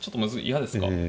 嫌ですか。